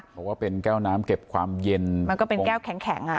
เพราะว่าเป็นแก้วน้ำเก็บความเย็นมันก็เป็นแก้วแข็งอ่ะ